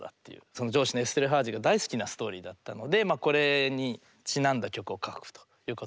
その上司のエステルハージが大好きなストーリーだったのでこれにちなんだ曲を書くということになったと。